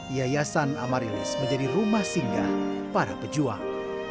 yayasan amarilis menjadi rumah singgah para pejuang